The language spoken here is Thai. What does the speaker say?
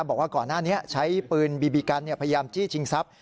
บอกว่าก่อนหน้านี้ใช้ปืนบีบีกันพยายามจี้ชิงทรัพย